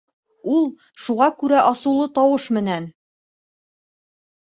Ул шуға күрә асыулы тауыш менән: